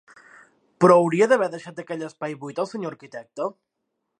Però, hauria d'haver deixat aquell espai buit el Senyor Arquitecte?